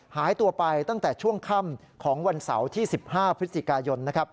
หายตัวไปตั้งแต่ช่วงค่ำของวันเสาร์ที่๑๕พฤศจิกายน